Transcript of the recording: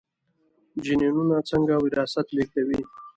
جینونه څنګه وراثت لیږدوي؟